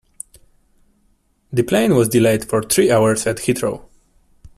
The plane was delayed for three hours at Heathrow